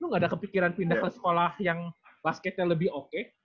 nggak ada kepikiran pindah ke sekolah yang basketnya lebih oke